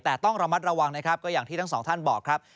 แต่ต้องระมัดระวังนะครับก็อย่างที่ทั้งสองท่านบอกครับ